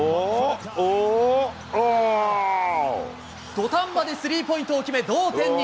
土壇場でスリーポイントを決め、同点に。